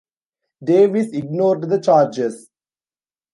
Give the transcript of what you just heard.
Davis ignored the charges.